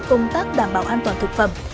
công tác đảm bảo an toàn thực phẩm